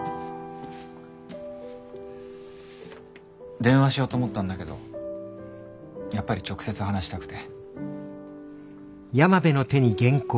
電話しようと思ったんだけどやっぱり直接話したくて。